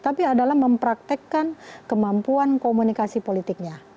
tapi adalah mempraktekkan kemampuan komunikasi politiknya